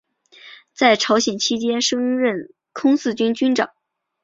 在朝鲜期间升任空四军军长。